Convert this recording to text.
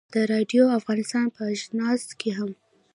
د راډیو افغانستان په اژانس کې هم.